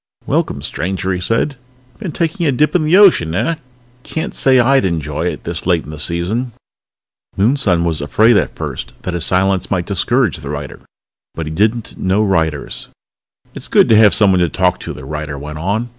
"Welcome, stranger," he said. "Been taking a dip in the ocean, eh? Can't say I'd enjoy it, this late in the season!" Moonson was afraid at first that his silence might discourage the writer, but he did not know writers ... "It's good to have someone to talk to," the writer went on.